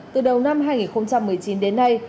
từ đầu năm hai nghìn một mươi chín đến nay